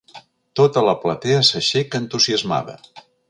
Tota la platea s'aixeca entusiasmada.